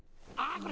これ！